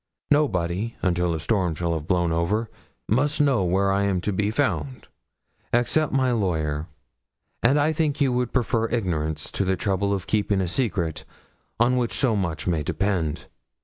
Nobody, until the storm shall have blown over, must know where I am to be found, except my lawyer; and I think you would prefer ignorance to the trouble of keeping a secret on which so much may depend.'